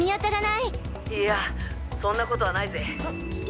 いいやそんなことはないぜ。